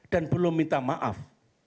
dan belum minta maaf